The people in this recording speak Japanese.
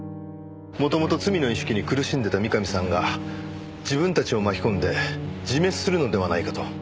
元々罪の意識に苦しんでた三上さんが自分たちを巻き込んで自滅するのではないかと。